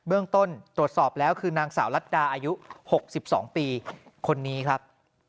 เรื่องต้นตรวจสอบแล้วคือนางสาวรัฐดาอายุ๖๒ปีคนนี้ครับ